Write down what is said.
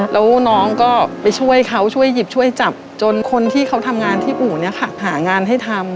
แล้วน้องก็ไปช่วยเขาช่วยหยิบช่วยจับจนคนที่เขาทำงานที่อู่เนี่ยค่ะหางานให้ทำ